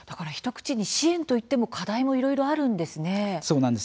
一口に支援といっても課題もいろいろあるんですね。